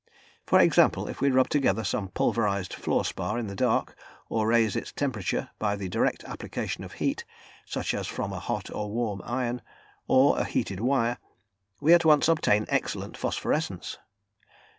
For example, if we rub together some pulverised fluorspar in the dark, or raise its temperature by the direct application of heat, such as from a hot or warm iron, or a heated wire, we at once obtain excellent phosphorescence.